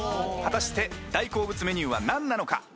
果たして大好物メニューは何なのか？